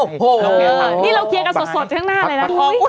นี่เราเคลียร์กันสดข้างหน้าเลยนะ